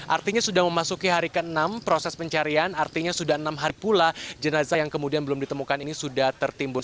artinya sudah memasuki hari ke enam proses pencarian artinya sudah enam hari pula jenazah yang kemudian belum ditemukan ini sudah tertimbun